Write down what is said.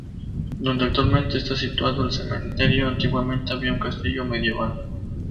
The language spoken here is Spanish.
Donde actualmente está situado el cementerio antiguamente había un castillo medieval.